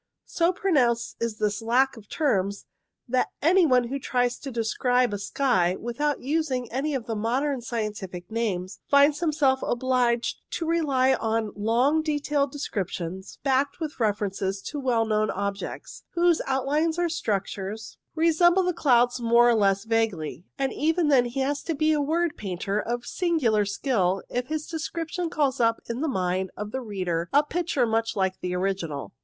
So pronounced is this lack of terms, that any one who tries to describe a sky without using any of the modern scientific names, finds himself obliged to rely on long detailed descriptions, backed with references to well known objects, whose outlines or structures resemble the 6 INTRODUCTORY clouds more or less vaguely; and even then he has to be a word painter of singular skill if his description calls up in the mind of the reader a picture much like the original.